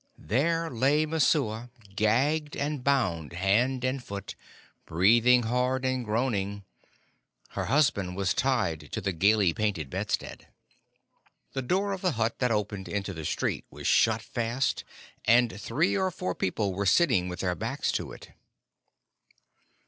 There lay Messua, gagged, and bound hand and foot, breathing hard, and groaning: her husband was tied to the gaily painted bedstead. The door of the hut that opened into the street was shut fast, and three or four people were sitting with their backs to it.